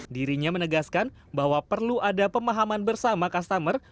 dirinya menegaskan bahwa perlu ada pemahaman bersama customer